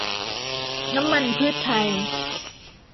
น้ำมันพืชไทย